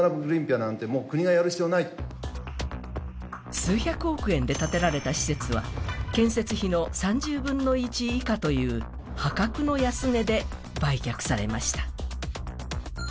数百億円で建てられた施設は建設費の３０分の１以下という破格の安値で売却されました。